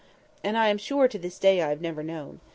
And I am sure to this day I have never known.